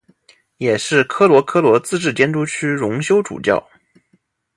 也是科罗科罗自治监督区荣休主教。